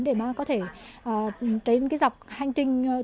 để có thể trên dọc hành trình